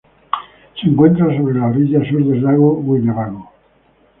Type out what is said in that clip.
Se encuentra sobre la orilla sur del lago Winnebago.